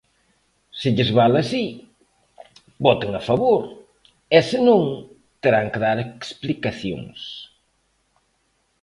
Se lles vale así, voten a favor, e, se non, terán que dar explicacións.